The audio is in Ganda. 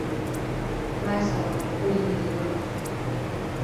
Baasaba okuliyirirwa.